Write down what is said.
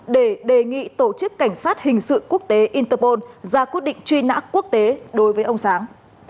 để đề nghị tổ chức cảnh sát hình sự quốc tế interpol ra quyết định truy nã quốc tế đối với ông sáng